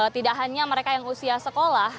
tidak hanya mereka yang usia sekolah